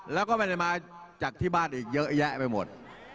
และก็มาจากที่บ้านอีกเยอะแยะไปหมด